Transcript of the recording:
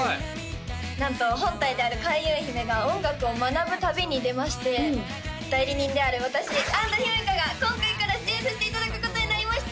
なんと本体である開運姫が音楽を学ぶ旅に出まして代理人である私安土姫華が今回から出演させていただくことになりました！